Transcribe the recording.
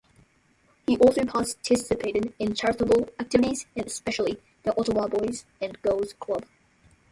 He also participated in charitable activities, and especially the Ottawa Boys and Girls Club.